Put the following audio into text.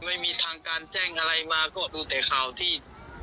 ไม่มีทางการแจ้งอะไรมาก็ดูแต่ข่าวที่